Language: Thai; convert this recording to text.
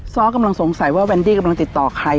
ซ้อกำลังสงสัยว่าแวนดี้กำลังติดต่อใคร